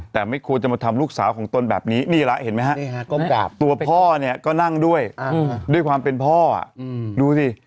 แต่ไม่ควรจะมาทำลูกสาวของตนแบบนี้นี่ละเห็นไหมฮะตัวพ่อเนี่ยก็นั่งด้วยด้วยความเป็นพ่อดูสิ